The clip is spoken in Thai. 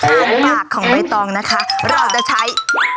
ของปากของใบตองนะคะเราจะใช้